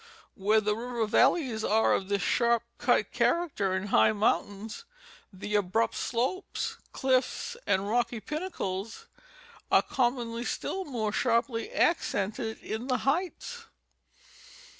Where the river valleys are of this sharp cut char acter in high mountains, the abrupt slopes, cliffs and rocky pin nacles are commonly still more sharply accented in the heights.